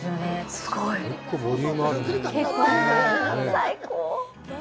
最高。